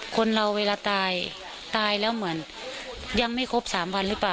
คนเราเวลาตายตายแล้วเหมือนยังไม่ครบ๓วันหรือเปล่า